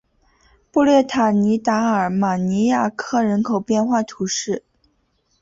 布列塔尼达尔马尼亚克人口变化图示